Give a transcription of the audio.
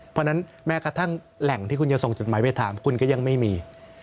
เพราะฉะนั้นแม้กระทั่งแหล่งที่คุณจะส่งจดหมายไปถามคุณก็ยังไม่มี